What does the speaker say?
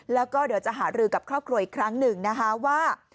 แล้วก็เดี๋ยวจะหารือกับครอบครัวอีกครั้งหนึ่งนะคะว่า